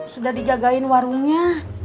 sudah dijagain warungnya